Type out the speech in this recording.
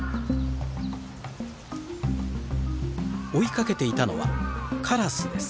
追いかけていたのはカラスです。